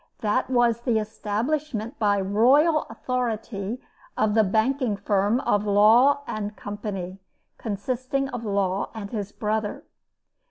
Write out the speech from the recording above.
This was, the establishment by royal authority of the banking firm of Law & Co., consisting of Law and his brother.